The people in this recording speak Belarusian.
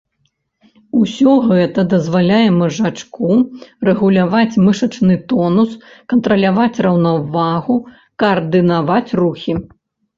Усё гэта дазваляе мазжачку рэгуляваць мышачны тонус, кантраляваць раўнавагу, каардынаваць рухі.